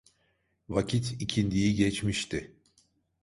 Vakit ikindiyi geçmişti.